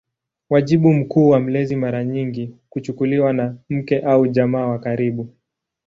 Wajibu mkuu wa mlezi mara nyingi kuchukuliwa na mke au jamaa wa karibu.